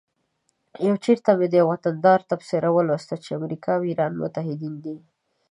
یو چیرته مې د یوه وطندار تبصره ولوسته چې امریکا او ایران متعهدین دي